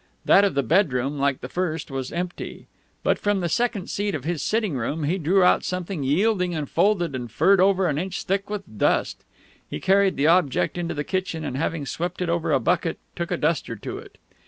That of the bedroom, like the first, was empty; but from the second seat of his sitting room he drew out something yielding and folded and furred over an inch thick with dust. He carried the object into the kitchen, and having swept it over a bucket, took a duster to it.